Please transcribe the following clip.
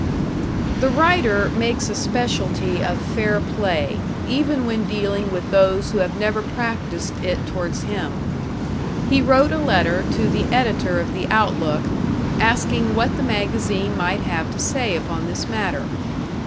The writer makes a specialty of fair play, even when dealing with those who have never practiced it towards him. He wrote a letter to the editor of the "Outlook", asking what the magazine might have to say upon this matter.